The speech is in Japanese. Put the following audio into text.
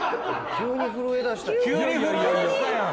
急に震えだしたやん。